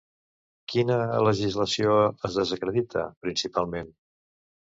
Quina legislació es desacredita, principalment?